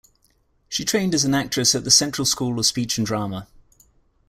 She trained as an actress at the Central School of Speech and Drama.